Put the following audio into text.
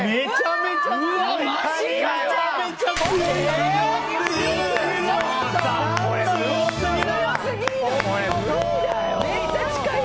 めちゃめちゃ近い。